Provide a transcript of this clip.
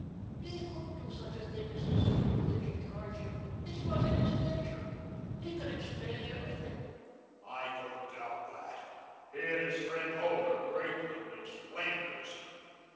He couldn't do such a thing as this with which you charge him. It is not in his nature. He can explain everything." "I don't doubt that. He and his friend Holt are great little explainers."